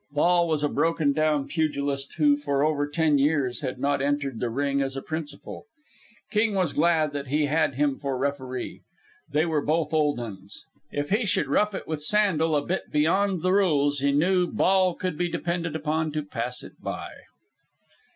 Ball was a broken down pugilist who for over ten years had not entered the ring as a principal. King was glad that he had him for referee. They were both old uns. If he should rough it with Sandel a bit beyond the rules, he knew Ball could be depended upon to pass it by.